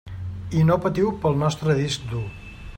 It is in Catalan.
I no patiu pel vostre disc dur.